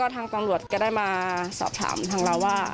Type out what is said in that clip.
ทางตำรวจก็ได้มาสอบถามทางเราว่า